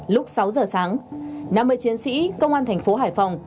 lúc sáu giờ sáng năm mươi chiến sĩ công an thành phố hải phòng